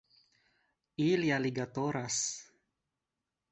Ili aligatoras